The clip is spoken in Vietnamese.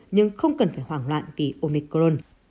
nhưng không cần phải hoảng loạn vì omicron